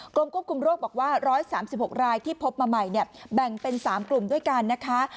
กรมควบคุมโรคบอกว่า๑๓๖รายที่พบมาใหม่เนี่ยแบ่งเป็น๓กลุ่มด้วยกันนะคะ